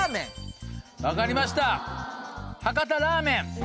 分かりました博多ラーメン。